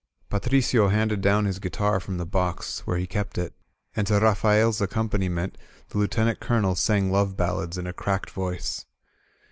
Patricio handed down his guitar from the box, where he kept it, and to Rafael's accompaniment the Lieuten ant Colonel sang love ballads in a cracked voice.